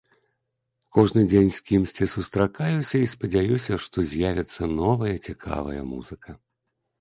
Кожны дзень з кімсьці сустракаюся і спадзяюся, што з'явіцца новая цікавая музыка.